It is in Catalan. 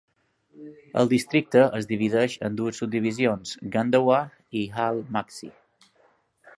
El districte es divideix en dues subdivisions: Gandawah i Jhal Magsi.